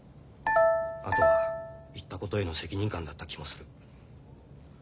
あとは言ったことへの責任感だった気もする。